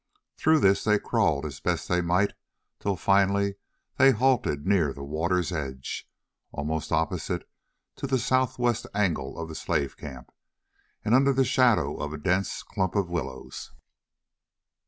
Through this they crawled as best they might till finally they halted near the water's edge, almost opposite to the south west angle of the slave camp, and under the shadow of a dense clump of willows.